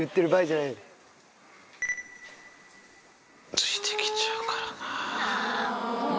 ついてきちゃうからな。